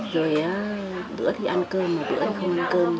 rồi bữa thì ăn cơm bữa thì không ăn cơm